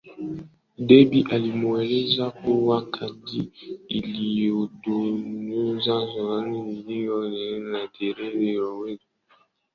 Debby alimueleza kuwa kadi iliyodondoshwa ilikuwa na jina laTetere Alberto Kito